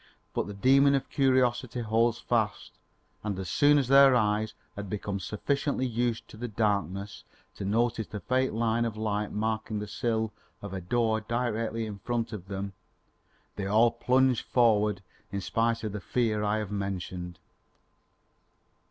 But the demon of curiosity holds fast and as soon as their eyes had become sufficiently used to the darkness to notice the faint line of light marking the sill of a door directly in front of them, they all plunged forward in spite of the fear I have mentioned.